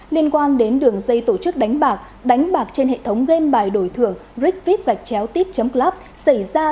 liên quan đến đường dây tổ chức đánh bạc đánh bạc trên hệ thống game bài đổi thưởng rigvip gạch chéo típ club xảy ra